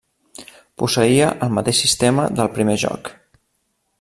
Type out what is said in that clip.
Posseïa el mateix sistema del primer joc.